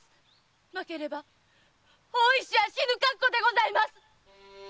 〔負ければ大石は死ぬ覚悟でございます！〕